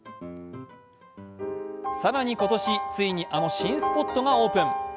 更に今年、ついにあの新スポットがオープン。